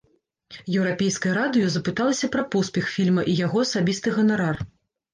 Еўрапейскае радыё запыталася пра поспех фільма і яго асабісты ганарар.